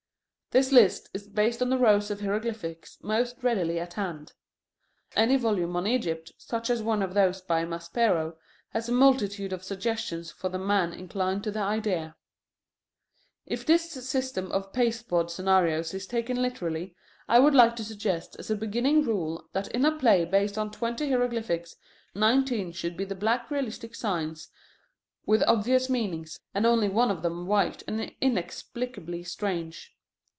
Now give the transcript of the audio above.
This list is based on the rows of hieroglyphics most readily at hand. Any volume on Egypt, such as one of those by Maspero, has a multitude of suggestions for the man inclined to the idea. If this system of pasteboard scenarios is taken literally, I would like to suggest as a beginning rule that in a play based on twenty hieroglyphics, nineteen should be the black realistic signs with obvious meanings, and only one of them white and inexplicably strange.